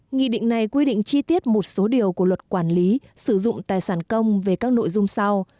nghị định này quy định chi tiết một số điều của luật quản lý sử dụng tài sản công về các nội dung sau